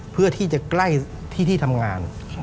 เพื่อที่จะใกล้ที่ที่ทำงาน